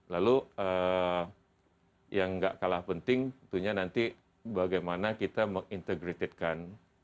lalu yang gak kalah penting tentunya nanti bagaimana kita mengintegratedkan